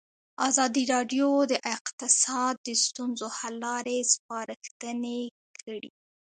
ازادي راډیو د اقتصاد د ستونزو حل لارې سپارښتنې کړي.